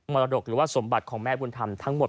รดกหรือว่าสมบัติของแม่บุญธรรมทั้งหมด